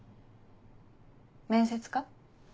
面接か。